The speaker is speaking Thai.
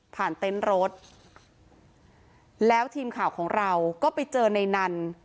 เต็นต์รถแล้วทีมข่าวของเราก็ไปเจอในนั้น